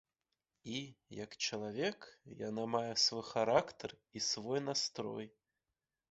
І, як чалавек, яна мае свой характар і свой настрой.